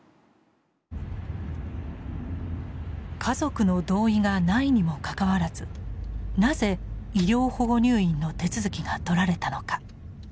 家族の同意がないにもかかわらずなぜ医療保護入院の手続きがとられたのか。